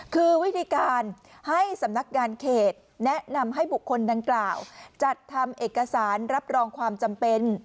คือวิธีการให้สำนักงานเขตแนะนำให้บุคคลดังกล่าวจัดทำเอกสารรับรองความจำเป็น